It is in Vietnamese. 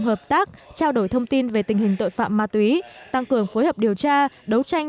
hợp tác trao đổi thông tin về tình hình tội phạm ma túy tăng cường phối hợp điều tra đấu tranh